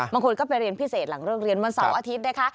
บางคนก็ไปเรียนพิเศษหลังเลิกเรียนวันเสาร์อาทิตย์นะคะ